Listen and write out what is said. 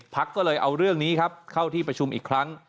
พักก็เลยเอาเรื่องนี้ครับเข้าที่ประชุมอีกครั้ง